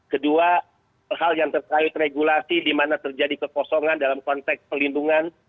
kedua hal yang terkait regulasi di mana terjadi kekosongan dalam konteks pelindungan